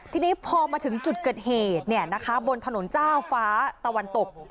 ทีนี้พอมาถึงจุดเกิดเหตุบนถนนเจ้าฟ้าตะวันตก